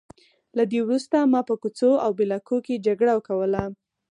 له دې وروسته ما په کوڅو او بلاکونو کې جګړه کوله